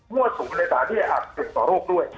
มั่วสูงในสถานที่จะอาจเกี่ยวกับต่อโรคด้วย